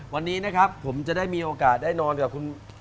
วันนี้นะครับผมจะได้มีโอกาสได้นอนกับคุณ